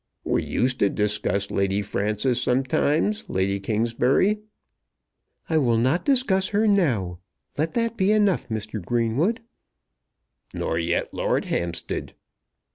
"We used to discuss Lady Frances sometimes, Lady Kingsbury." "I will not discuss her now. Let that be enough, Mr. Greenwood." "Nor yet Lord Hampstead."